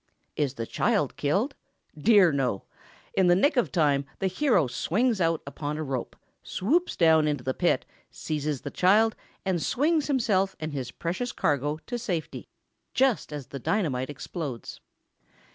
Is the child killed? Dear, no! In the nick of time, the hero swings out upon a rope, swoops down into the pit, seizes the child and swings himself and his precious charge to safety, just as the dynamite explodes.